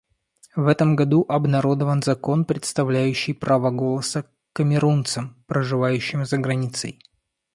В этом году обнародован закон, предоставляющий право голоса камерунцам, проживающим за границей.